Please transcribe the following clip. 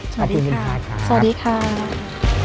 สวัสดีค่ะครับค่ะสวัสดีค่ะสวัสดีค่ะ